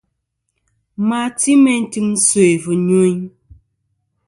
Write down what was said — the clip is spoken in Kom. Ma ti meyn tim sœ̀ fɨnyuyn.